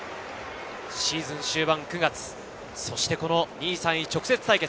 シーズン終盤９月、２位３位直接対決。